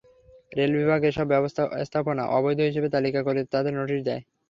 Rail বিভাগ এসব স্থাপনা অবৈধ হিসেবে তালিকা করে তাঁদের নোটিশ দেয়।